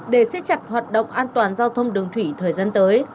để xếp chặt hoạt động an toàn giao thông đường thủy thời gian tới